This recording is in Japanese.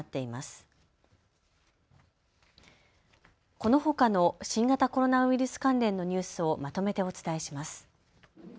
このほかの新型コロナウイルス関連のニュースをまとめてお伝えします。